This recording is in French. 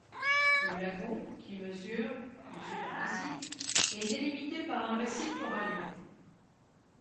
Le lagon, qui mesure de superficie, est délimité par un récif corallien.